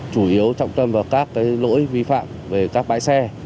chủ yếu trọng tâm vào các lỗi vi phạm về các bãi xe